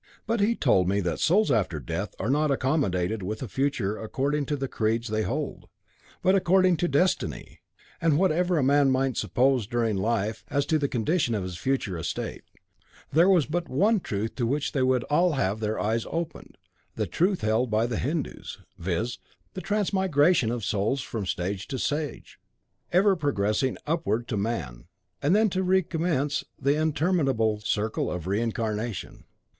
But he told me that souls after death are not accommodated with a future according to the creeds they hold, but according to Destiny: that whatever a man might suppose during life as to the condition of his future state, there was but one truth to which they would all have their eyes opened the truth held by the Hindus, viz. the transmigration of souls from stage to stage, ever progressing upward to man, and then to recommence the interminable circle of reincarnation.